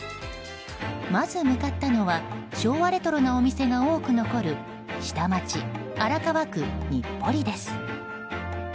まず向かったのは昭和レトロなお店が多く残る下町荒川区日暮里です。